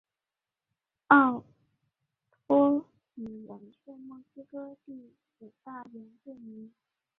奥托米人是墨西哥第五大原住民。